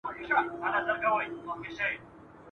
تاته به در پاته زما خیالونه زما یادونه وي `